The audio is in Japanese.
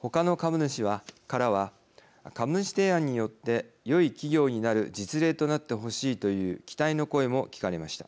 他の株主からは株主提案によって良い企業になる実例となってほしいという期待の声も聞かれました。